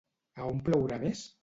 A on plourà més?